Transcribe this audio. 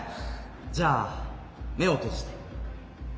じゃあ目を閉じて。